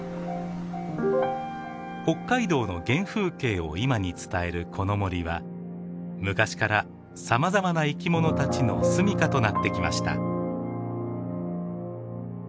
北海道の原風景を今に伝えるこの森は昔からさまざまな生き物たちの住みかとなってきました。